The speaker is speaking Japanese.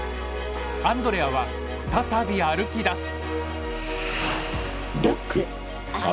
アンドレアは再び歩きだす。